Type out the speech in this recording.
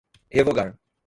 revogar